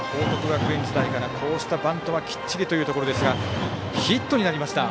学園時代からこうしたバントはきっちりというところですがヒットになりました。